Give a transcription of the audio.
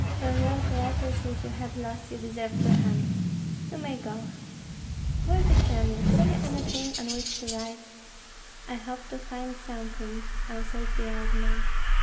For those letters which you have lost you deserve to hang. You may go. Worthy Kyemlich, have you anything on which to write?" "I hope to find something," answered the old man.